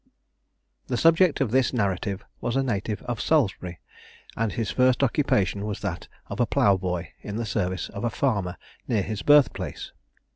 The subject of this narrative was a native of Salisbury, and his first occupation was that of a ploughboy in the service of a farmer near his birthplace.